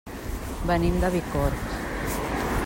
Venim de Bicorb.